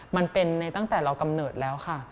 มันเป็นในตั้งแต่เรากำเนิดแล้วค่ะ